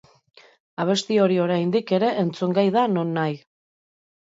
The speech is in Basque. Abesti hori oraindik ere entzungai da nonahi.